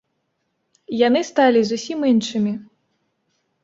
Яны сталі зусім іншымі.